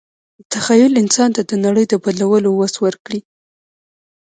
تخیل انسان ته د نړۍ د بدلولو وس ورکړی.